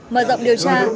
mở rộng điều tra